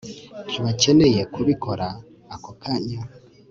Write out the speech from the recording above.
ntibakeneye kubikora ako kanya